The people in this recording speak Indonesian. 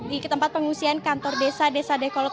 di tempat pengungsian kantor desa desa dekolok